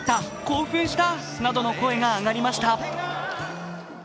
興奮したなどの声が上がりました。